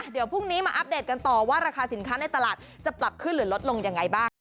เดี๋ยวพรุ่งนี้มาอัปเดตกันต่อว่าราคาสินค้าในตลาดจะปรับขึ้นหรือลดลงยังไงบ้าง